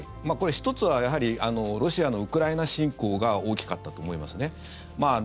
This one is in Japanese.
１つは、やはりロシアのウクライナ侵攻が大きかったと思いますね。